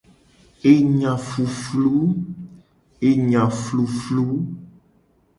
Enya fluflu.